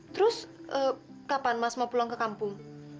terus kapan mas mau pulang ke kampung